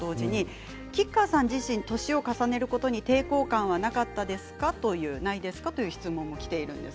吉川さん自身年を重ねることに抵抗感はなかったですか、という質問もきています。